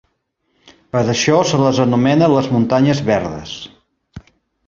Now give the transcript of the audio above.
Per això se les anomena les muntanyes "verdes".